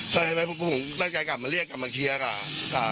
ใช่ไหมผมในใจกลับมาเรียกกลับมาเคี้ยกอ่ะ